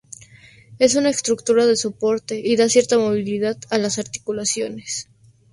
Es una estructura de soporte y da cierta movilidad a las articulaciones.